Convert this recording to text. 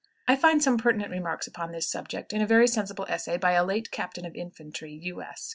I find some pertinent remarks upon this subject in a very sensible essay by "a late captain of infantry" (U.S.).